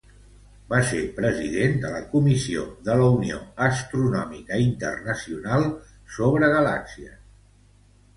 Va ser president de la Comissió de la Unió Astronòmica Internacional sobre Galàxies.